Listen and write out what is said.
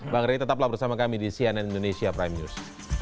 bang ray tetaplah bersama kami di cnn indonesia prime news